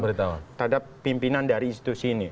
terhadap pimpinan dari institusi ini